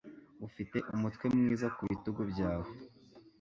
Ufite umutwe mwiza ku bitugu byawe